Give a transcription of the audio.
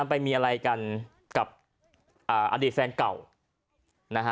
ไปมีอะไรกันกับอดีตแฟนเก่านะฮะ